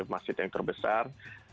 masjid yang terbesar